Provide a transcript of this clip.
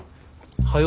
はよ